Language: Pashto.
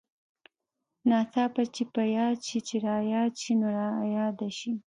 ناڅاپه چې په ياد شې چې راياد شې نو راياد شې.